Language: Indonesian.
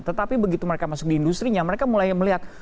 tetapi begitu mereka masuk di industri nya mereka mulai melihat